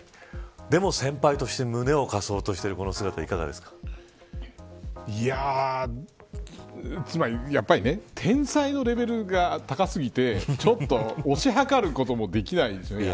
でも先輩として胸を貸そうとしてるこの姿やっぱり天才のレベルが高過ぎてちょっと推し量ることもできないですよね。